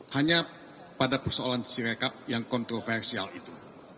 hanya pada persoalan sirekap yang kontroversial itu